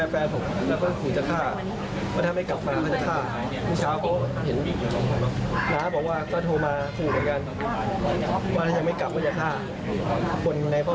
เพราะถ้าไม่กลับมาก็จะฆ่า